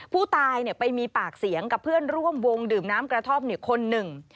ผู้ตายไปมีปากเสียงกับเพื่อนร่วมวงดื่มน้ำกระท่อมคนหนึ่ง